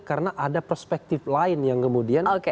karena ada perspektif lain yang kemudian